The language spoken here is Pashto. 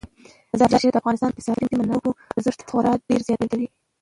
مزارشریف د افغانستان د اقتصادي منابعو ارزښت خورا ډیر زیاتوي.